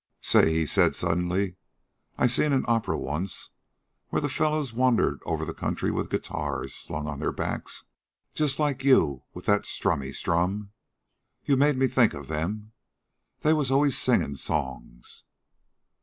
"Say," he said suddenly. "I seen an opera once, where fellows wandered over the country with guitars slung on their backs just like you with that strummy strum. You made me think of them. They was always singin' songs."